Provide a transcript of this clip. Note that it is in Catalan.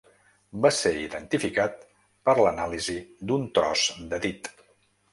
Va ser identificat per l’anàlisi d’un tros de dit.